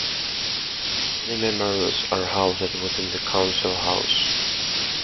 Many memorials are housed within the Council House.